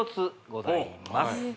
ございます